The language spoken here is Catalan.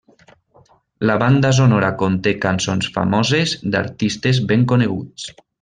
La banda sonora conté cançons famoses d'artistes ben coneguts.